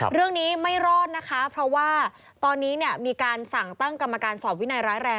เรื่องนี้ไม่รอดนะคะเพราะว่าตอนนี้เนี่ยมีการสั่งตั้งกรรมการสอบวินัยร้ายแรง